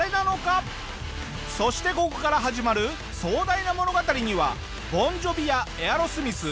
そしてここから始まる壮大な物語にはボン・ジョヴィやエアロスミス